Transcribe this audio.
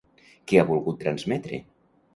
Què ha volgut transmetre?